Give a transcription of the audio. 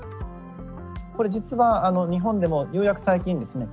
これ実は日本でもようやく最近ですね